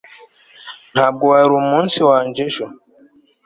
ntabwo wari umunsi wanjye ejo